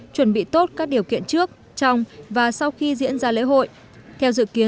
chuẩn bị tốt các điều kiện trước trong và sau khi diễn ra lễ hội